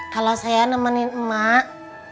kalau saya nemenin emak